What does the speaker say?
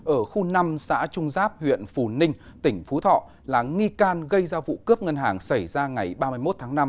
ở khu năm xã trung giáp huyện phù ninh tỉnh phú thọ là nghi can gây ra vụ cướp ngân hàng xảy ra ngày ba mươi một tháng năm